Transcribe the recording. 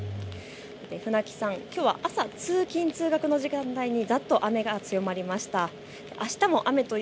船木さん、きょうは朝、通勤通学の時間帯にざっと雨が強まりました。